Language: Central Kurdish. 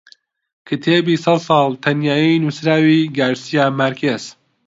کتێبی سەد ساڵ تەنیایی نووسراوی گارسیا مارکێز